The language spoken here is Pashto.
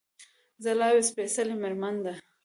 ځلا يوه سپېڅلې مېرمن ده